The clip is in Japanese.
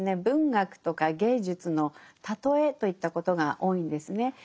文学とか芸術の喩えといったことが多いんですね。